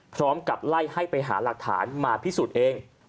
พร้อมกับไล่ให้ไปหาหลักฐานมาพิสูจน์เอง